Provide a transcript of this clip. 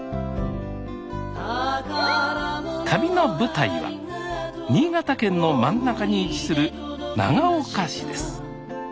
旅の舞台は新潟県の真ん中に位置する長岡市です